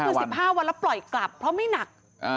คือ๑๕วันแล้วปล่อยกลับเพราะไม่หนัก